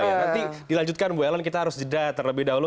nanti dilanjutkan bu ellen kita harus jeda terlebih dahulu